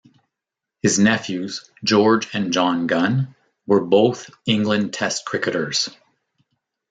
His nephews, George and John Gunn, were both England Test cricketers.